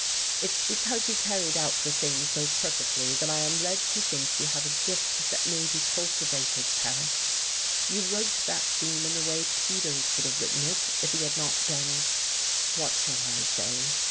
It's because you carried out the thing so perfectly that I am led to think you have a gift that may be cultivated, Paret. You wrote that theme in the way Peters would have written it if he had not been what shall I say?